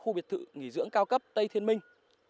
khu biệt thự nghỉ dưỡng cao cấp tây thiên minh